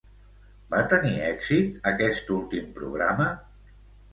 Va tenir èxit aquest últim programa?